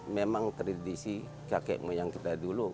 memang tradisi kakekmu yang kita dulu